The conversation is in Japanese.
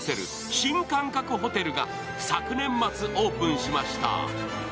新感覚ホテルが昨年末オープンしました。